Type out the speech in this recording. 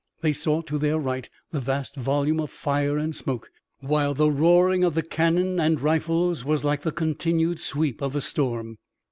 They saw to their right the vast volume of fire and smoke, while the roaring of the cannon and rifles was like the continued sweep of a storm.